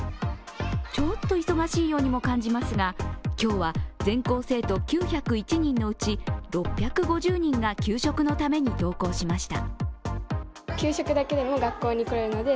ちょっと忙しいようにも感じますが、今日は全校生徒９０１人のうち６５０人が給食のために登校しました。